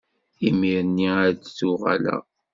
Imir-nni ad d-uɣaleɣ.